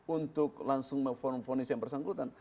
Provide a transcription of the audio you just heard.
untuk langsung mempunyai persangkutan